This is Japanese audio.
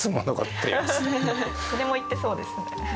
それも言ってそうですね。